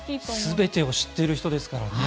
全てを知っている人ですからね。